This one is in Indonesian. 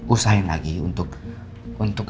usahain lagi untuk